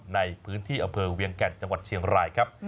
ในพื้นที่อำเภอเวียงแก่นจังหวัดเชียงรายครับ